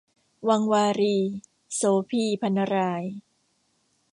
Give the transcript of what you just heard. วังวารี - โสภี พรรณราย